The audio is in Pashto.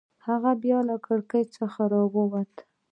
هغه بیا له کړکۍ څخه راووت.